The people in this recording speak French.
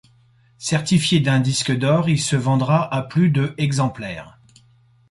Certifié d'un disque d'or, il se vendra à plus de exemplaires.